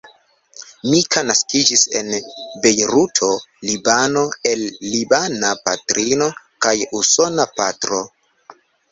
Mika naskiĝis en Bejruto, Libano el libana patrino kaj usona patro.